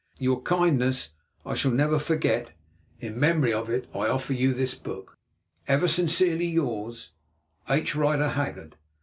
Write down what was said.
Your kindness I never shall forget; in memory of it, I offer you this book. Ever sincerely yours, H. RIDER HAGGARD.